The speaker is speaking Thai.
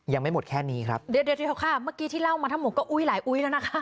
ยังไม่หมดแค่นี้ครับเดี๋ยวเดี๋ยวค่ะเมื่อกี้ที่เล่ามาทั้งหมดก็อุ้ยหลายอุ้ยแล้วนะคะ